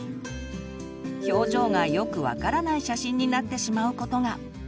表情がよく分からない写真になってしまうことが。